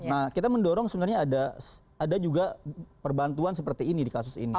nah kita mendorong sebenarnya ada juga perbantuan seperti ini di kasus ini